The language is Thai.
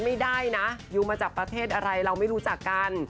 ไม่ได้นะยูมาจากประเทศอะไรเราไม่รู้จักกัน